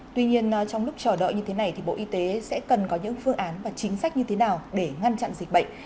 tuy nhiên trong lúc chờ đợi như thế này thì bộ y tế sẽ cần có những phương án và chính sách như thế nào để ngăn chặn dịch bệnh